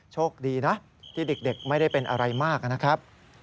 โชคดีนะที่เด็กไม่ได้เป็นอะไรมากนะครับ